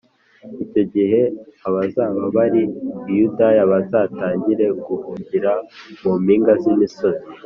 Icyo gihe abazaba bari i Yudaya bazatangire guhungira mu mpinga zimisozi